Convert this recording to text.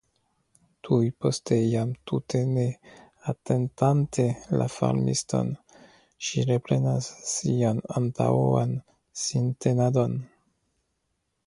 Tuj poste jam tute ne atentante la farmiston, ŝi reprenas sian antaŭan sintenadon.